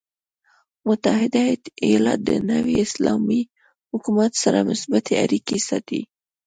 متحده ایالات د نوي اسلامي حکومت سره مثبتې اړیکې ساتي.